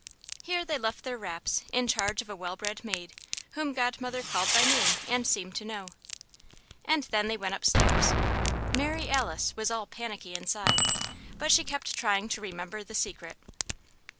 Here they left their wraps in charge of a well bred maid whom Godmother called by name and seemed to know. And then they went up stairs. Mary Alice was "all panicky inside," but she kept trying to remember the Secret.